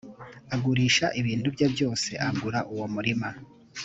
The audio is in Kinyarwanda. agurisha o ibintu bye byose agura uwo murima